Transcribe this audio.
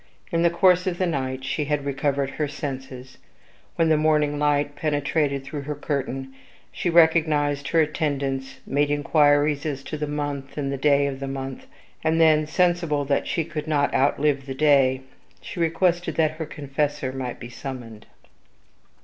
In the course of the night she had recovered her senses. When the morning light penetrated through her curtain, she recognized her attendants, made inquiries as to the month and the day of the month, and then, sensible that she could not outlive the day, she requested that her confessor might be summoned.